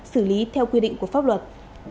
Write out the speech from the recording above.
xử lý theo quy định của pháp luật